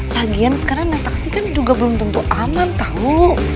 lagian sekarang nyetaksi kan juga belum tentu aman tahu